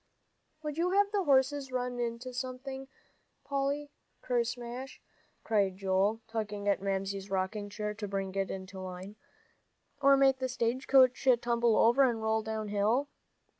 "Would you have the horses run into something, Polly, kersmash," cried Joel, tugging at Mamsie's rocking chair to bring it into line, "or make the stage coach tumble over and roll down hill?"